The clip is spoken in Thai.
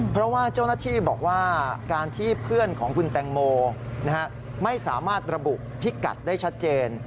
เพราะว่าเจ้าหน้าที่บอกว่าการที่เพื่อนของคุณแตงโมไม่สามารถระบุพิกัดได้ชัดเจน